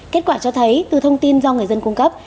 kết quả cho thấy từ thông tin do người dân cung cấp